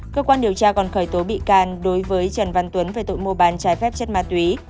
cơ quan điều tra còn khởi tố bị can đối với trần văn tuấn về tội mua bán trái phép chất ma túy